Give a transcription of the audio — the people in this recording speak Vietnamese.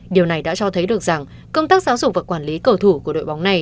điều này đã cho thấy được rằng công tác giáo dục và quản lý cầu thủ của đội bóng này